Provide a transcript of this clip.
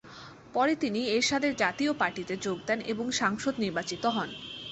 পরে তিনি এরশাদের জাতীয় পার্টিতে যোগ দেন এবং সাংসদ নির্বাচিত হন।